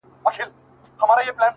ښكلي چي گوري، دا بيا خوره سي،